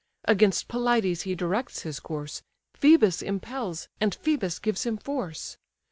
Against Pelides he directs his course, Phœbus impels, and Phœbus gives him force.